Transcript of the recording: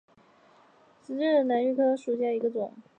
十字兰为兰科玉凤花属下的一个种。